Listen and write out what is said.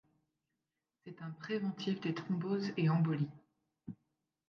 C'est un préventif des thromboses et embolies.